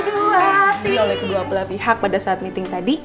dia oleh kedua pula pihak pada saat meeting tadi